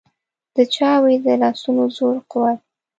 د چا وي د لاسونو زور قوت.